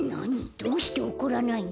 どうして怒らないの？